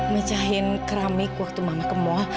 mecahin keramik waktu mama ke mall